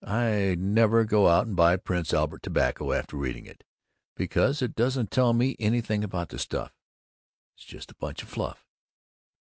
I'd never go out and buy Prince Albert Tobacco after reading it, because it doesn't tell me anything about the stuff. It's just a bunch of fluff."